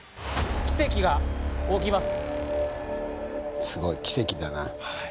奇跡が起きます。